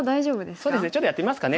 そうですねちょっとやってみますかね。